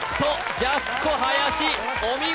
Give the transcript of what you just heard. ジャスコ林お見事！